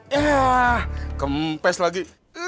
yah kempes lagi